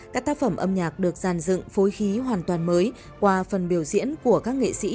các tác phẩm âm nhạc được giàn dựng phối khí hoàn toàn mới qua phần biểu diễn của các nghệ sĩ